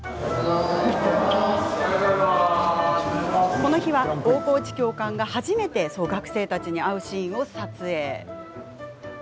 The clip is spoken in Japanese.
この日は、大河内教官が、初めて学生たちに会うシーンを撮影。